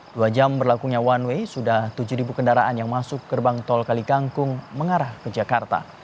dua jam berlakunya one way sudah tujuh kendaraan yang masuk gerbang tol kalikangkung mengarah ke jakarta